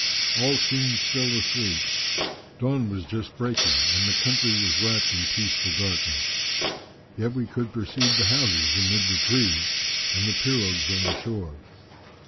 All seemed still asleep. Dawn was but just breaking, and the country was wrapped in peaceful darkness. Yet we could perceive the houses amid the trees, and the pirogues on the shore.